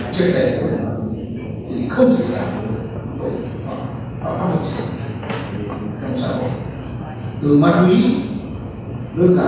chưa kể gì cả rồi báo ra